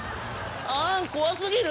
あん怖過ぎる！